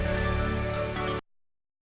kami akan segera kembali